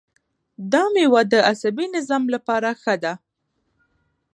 دا میوه د عصبي نظام لپاره ښه ده.